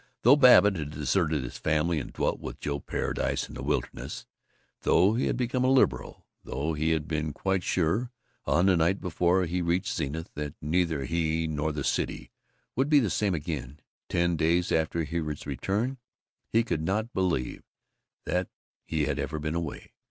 Though Babbitt had deserted his family and dwelt with Joe Paradise in the wilderness, though he had become a liberal, though he had been quite sure, on the night before he reached Zenith, that neither he nor the city would be the same again, ten days after his return he could not believe that he had ever been away.